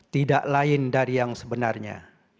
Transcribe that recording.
tidak lain dari yang sebenarnya